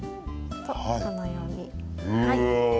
このように、はい。